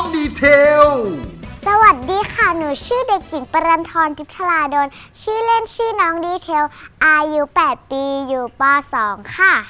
สวัสดีค่ะหนูชื่อเด็กหญิงปรันทรกิพลาดลชื่อเล่นชื่อน้องดีเทลอายุ๘ปีอยู่ป๒ค่ะ